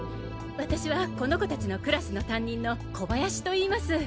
私はこの子達のクラスの担任の小林といいます。